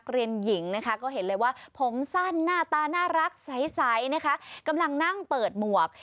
รักใสนะคะกำลังนั่งเปิดหมวก